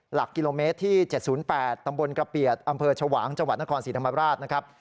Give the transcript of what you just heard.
หลักกิโลเมตรที่๗๐๘ตำบลกระเปียดอำเภอชวางจังหวัดนครศรีธรรมราชนะครับ